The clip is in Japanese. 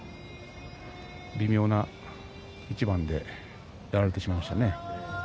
微妙な一番でやられてしまいましたね。